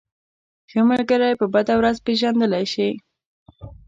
ښه ملگری په بده ورځ پېژندلی شې.